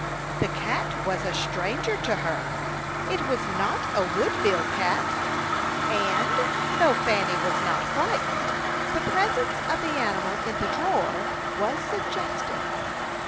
The cat was a stranger to her; it was not a Woodville cat; and, though Fanny was not frightened, the presence of the animal in the drawer was suggestive.